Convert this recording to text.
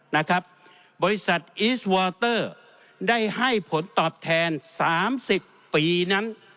นะครับบริษัทอีสวอเตอร์ได้ให้ผลตอบแทนสามสิบปีนั้น